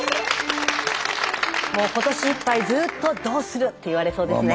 今年いっぱいずっとどうするって言われそうですね。